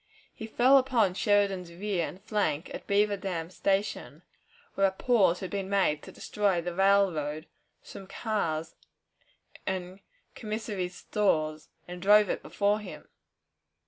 He fell upon Sheridan's rear and flank at Beaver Dam Station, where a pause had been made to destroy the railroad, some cars, and commissary's stores, and drove it before him.